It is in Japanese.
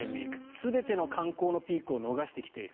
全ての観光のピークを逃してきている。